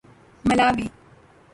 ملاوی